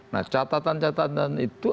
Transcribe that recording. nah catatan catatan itu